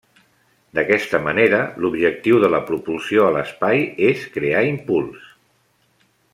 D'aquesta manera, l'objectiu de la propulsió a l'espai és crear impuls.